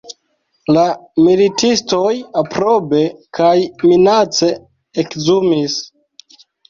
La militistoj aprobe kaj minace ekzumis.